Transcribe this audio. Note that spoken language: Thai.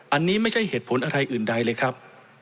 อันนี้ไม่ใช่เหตุผลอะไรอื่นใดเลยครับ